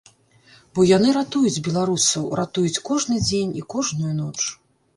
Бо яны ратуюць беларусаў, ратуюць кожны дзень і кожную ноч.